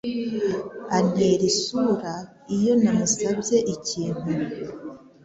antera isura iyo namusabye ikintu